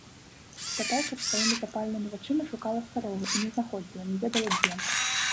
Спатайка сваімі запаленымі вачыма шукала старога і не знаходзіла, не ведала дзе.